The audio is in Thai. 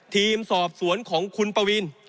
ทีมสอบสวนของคุณปวีน